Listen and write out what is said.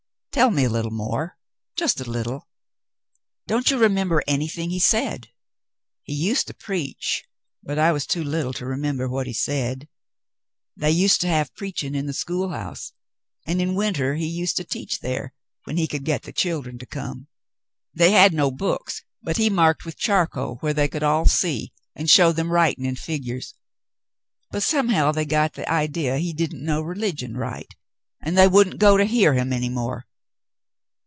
"Tell me a little more .^ Just a little.^ Don't you remember anything he said.'^" "He used to preach, but I was too little to remember what he said. They used to have preaching in the school house, and in winter he used to teach there — when he could get the children to come. They had no books, but he marked with charcoal where they could all see, and showed them writing and figures ; but somehow they got the idea he didn't know religion right, and they wouldn't go to hear him any more.